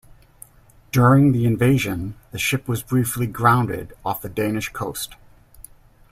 During the invasion, the ship was briefly grounded off the Danish coast.